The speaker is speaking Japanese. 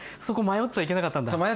そこ迷っちゃいけなかったんだ。